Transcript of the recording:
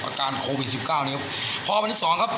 อาการโควิดสิบเก้านี้ครับพอวันที่สองครับ